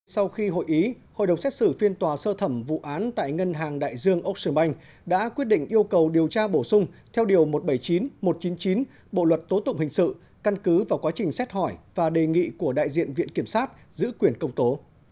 sau khi hội ý hội đồng xét xử phiên tòa sơ thẩm vụ án tại ngân hàng đại dương ocean bank đã quyết định yêu cầu điều tra bổ sung theo điều một trăm bảy mươi chín một trăm chín mươi chín bộ luật tố tụng hình sự căn cứ vào quá trình xét hỏi và đề nghị của đại diện viện kiểm sát giữ quyền công tố